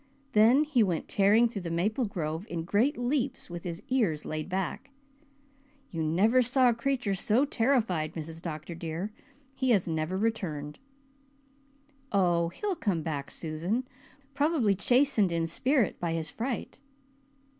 Then he went tearing through the maple grove in great leaps with his ears laid back. You never saw a creature so terrified, Mrs. Dr. dear. He has never returned." "Oh, he'll come back, Susan, probably chastened in spirit by his fright."